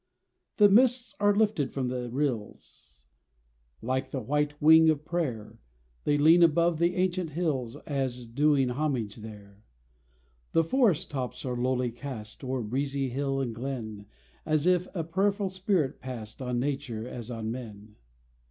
The mists are lifted from the rills, Like the white wing of prayer: They lean above the ancient hills As doing homage there. The forest tops are lowly cast O'er breezy hill and glen, As if a prayerful spirit pass'd On nature as on men.